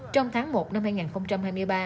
trong tháng một năm hai nghìn hai mươi ba